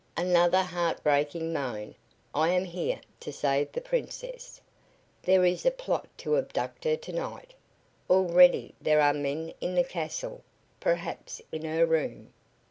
Another heart breaking moan. "I am here to save the Princess. There is a plot to abduct her to night. Already there are men in the castle, perhaps in her room.